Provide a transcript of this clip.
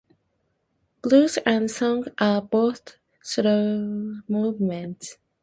"Blues" and "Song" are both slow movements.